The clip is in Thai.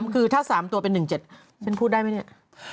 คือถ้า๓ตัวเป็น๑๗ฉันพูดได้ไหมเนี่ย